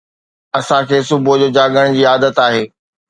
اسان کي صبح جو جاڳڻ جي عادت آهي.